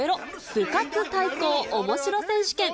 部活対抗おもしろ選手権。